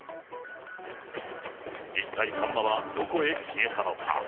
一体サンマはどこへ消えたのか。